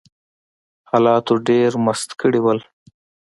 حالاتو ډېر مست کړي وو